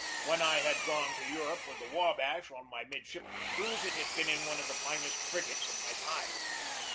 When I had gone to Europe with the W abash on my mid shipman cruise it had been in one of the finest frig iS4 GEORGE DEWEY ates of my time.